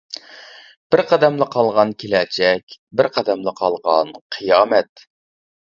بىر قەدەملا قالغان كېلەچەك، بىر قەدەملا قالغان قىيامەت!